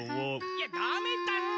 いやダメだって！